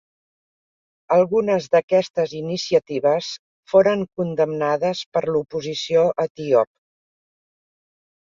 Algunes d'aquestes iniciatives foren condemnades per l'oposició etíop.